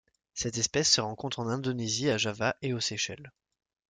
Cette espèce se rencontre en Indonésie à Java et aux Seychelles.